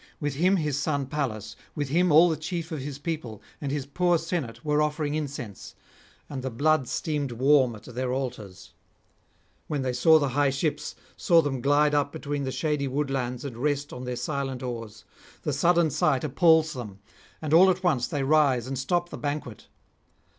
With him his son Pallas, with him all the chief of his people and his poor senate were offering incense, and the blood steamed warm at their altars. When they saw the high ships, saw them glide up between the shady woodlands and rest on their silent oars, the sudden sight appals them, and all at once they rise and stop the banquet.